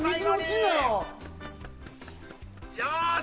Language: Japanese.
よし！